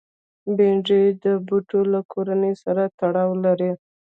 بېنډۍ د بوټو له کورنۍ سره تړاو لري